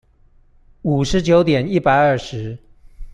五十九點一百二十